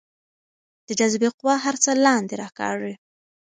د جاذبې قوه هر څه لاندې راکاږي.